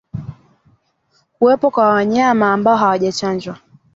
Kuwepo kwa wanyama ambao hawajachanjwa